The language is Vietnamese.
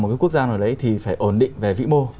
một cái quốc gia nào đấy thì phải ổn định về vĩ mô